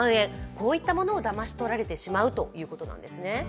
こういったものをだまし取られてしまうということなんですね。